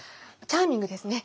チャーミングですね。